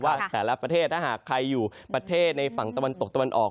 แต่ละประเทศถ้าหากใครอยู่ประเทศในฝั่งตะวันตกตะวันออก